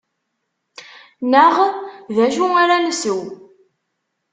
Neɣ: D acu ara nsew?